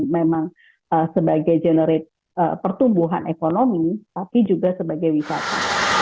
memang sebagai generate pertumbuhan ekonomi tapi juga sebagai wisata